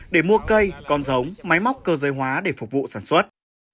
để mua cây con giống máy móc cơ dây hóa để phục vụ sản xuất